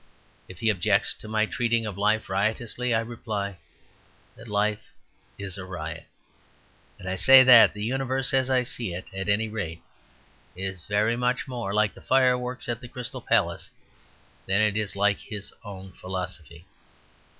If he objects to my treating of life riotously, I reply that life is a riot. And I say that the Universe as I see it, at any rate, is very much more like the fireworks at the Crystal Palace than it is like his own philosophy.